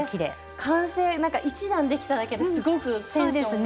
完成なんか１段できただけですごくテンションが！